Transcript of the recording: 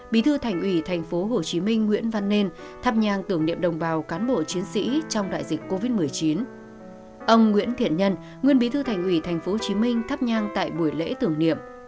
bí thư thành ủy tp hcm nguyễn văn nên thắp nhang tưởng niệm đồng bào cán bộ chiến sĩ trong đại dịch covid một mươi chín